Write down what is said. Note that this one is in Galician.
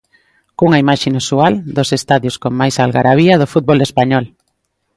Cunha imaxe inusual, dos estadios con máis algarabía do fútbol español.